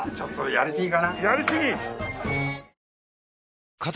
やりすぎ！？